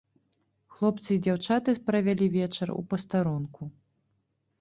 Хлопцы і дзяўчаты правялі вечар у пастарунку.